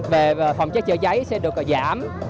về phòng chơi chơi cháy sẽ được giảm